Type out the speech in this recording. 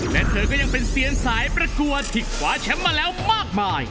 และเธอก็ยังเป็นเซียนสายประกวดที่คว้าแชมป์มาแล้วมากมาย